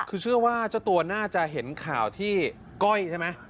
คือเชื่อว่าเจ้าตัวน่าจะเห็นข่าวที่ก้อยใช่ไหม